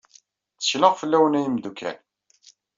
Tteklaɣ fell-awen ay imdukal.